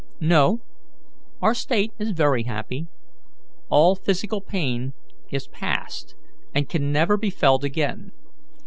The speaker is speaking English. "No, our state is very happy. All physical pain is past, and can never be felt again.